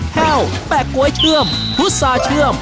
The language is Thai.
แห้วแปะก๊วยเชื่อมพุษาเชื่อม